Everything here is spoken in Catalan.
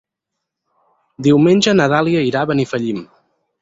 Diumenge na Dàlia irà a Benifallim.